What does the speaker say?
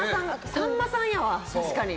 さんまさんやわ、確かに。